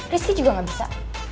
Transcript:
rizky juga gak bisa